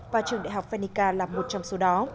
và trường đại học phenica là một trong số đó